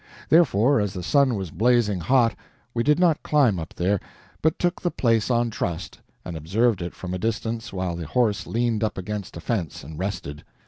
Therefore, as the sun was blazing hot, we did not climb up there, but took the place on trust, and observed it from a distance while the horse leaned up against a fence and rested.